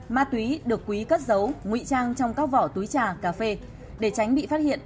ma túy được quý cất giấu nguy trang trong các vỏ túi trà cà phê để tránh bị phát hiện